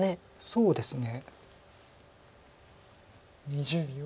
そうですね。